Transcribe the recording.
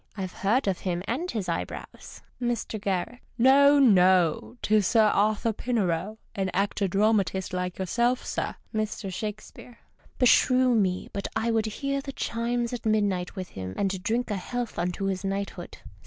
I've heard of him and his eyebrows. Mr. G. — No, no, 'tis Sir Arthur Pinero, an actor dramatist like yourself, sir. Mr. Shakespeare. — Beshrew me, but I would hear the chimes at midnight with him and drink a health unto his knighthood.